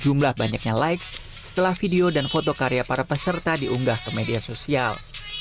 jumlah banyaknya likes setelah video dan foto karya para peserta diunggah ke media sosial